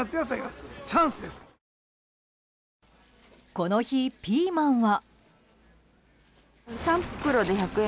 この日、ピーマンは。